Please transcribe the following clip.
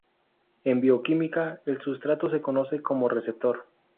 En bioquímica el sustrato se conoce como un receptor.